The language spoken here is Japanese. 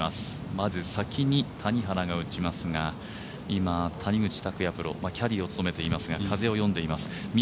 まず先に谷原が打ちますが今、谷口拓也プロキャディーを務めていますが風を読んでいます。